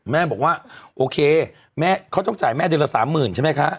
แม่บอกว่าโอเคแม่เขาต้องจ่ายแม่เดือนละ๓๐๐๐ใช่ไหมคะ